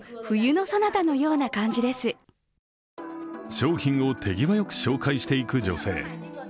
商品を手際よく紹介していく女性。